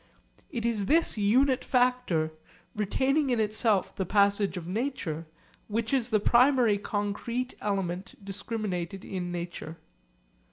It is this unit factor, retaining in itself the passage of nature, which is the primary concrete element discriminated in nature.